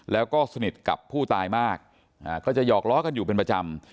แล้วก็สนิทกับผู้ตายมากก็จะหอกล้อกันอยู่เป็นประจำ